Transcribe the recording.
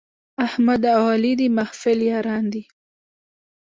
احمد او علي د محفل یاران دي.